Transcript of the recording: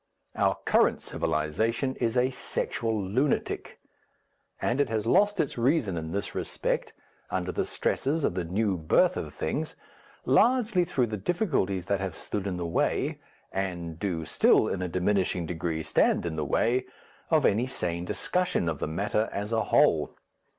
Our current civilization is a sexual lunatic. And it has lost its reason in this respect under the stresses of the new birth of things, largely through the difficulties that have stood in the way, and do still, in a diminishing degree, stand in the way of any sane discussion of the matter as a whole.